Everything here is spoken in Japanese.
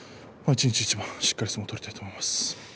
一番しっかり相撲を取りたいと思います。